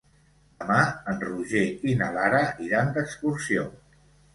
Demà en Roger i na Lara iran d'excursió.